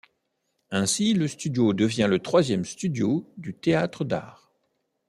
Ainsi, le studio devient le Troisième Studio du Théâtre d’Art.